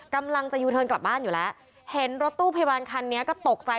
กำลังจะยูเทิร์นกลับบ้านอยู่แล้วเห็นรถตู้พยาบาลคันนี้ก็ตกใจ